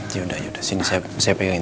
yaudah yaudah sini saya pegangin